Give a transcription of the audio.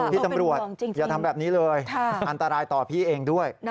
พี่ตำรวจอย่าทำแบบนี้เลยอันตรายต่อพี่เองด้วย